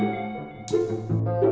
masih cemberut aja mi